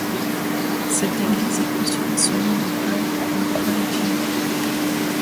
Cette église est construite selon un plan en croix latine.